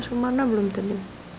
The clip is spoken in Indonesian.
sumarna belum tadi